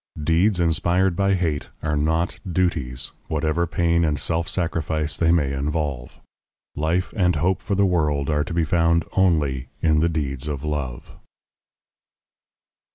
Deeds inspired by hate are not duties, whatever pain and self sacrifice they may involve. Life and hope for the world are to be found only in the deeds of love.